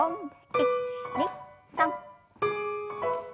１２３。